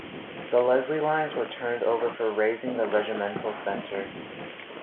The Leslie lines were turned over for raising the Regimental Centre.